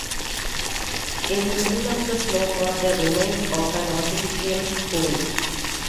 In the middle of the slope are the remains of an artificial pool.